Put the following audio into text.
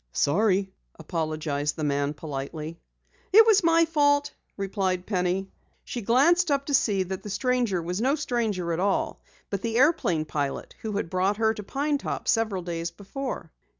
"Sorry," apologized the man politely. "It was my fault," replied Penny. She glanced up to see that the stranger was no stranger at all, but the airplane pilot who had brought her to Pine Top several days before.